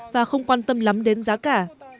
và không quan tâm lắm đến giá cả